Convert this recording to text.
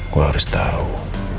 gue harus tahu